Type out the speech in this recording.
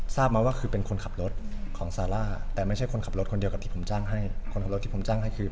ทีนี้ดีกว่าผมรู้สึกรู้ซี่เจ้าของผมขอรับมือรูปแบบบุตร